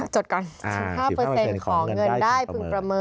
จดก่อน๑๕ขอเงินได้พึงประเมิน